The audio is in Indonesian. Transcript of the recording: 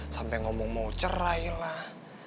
sampai ngomong mau cerai lah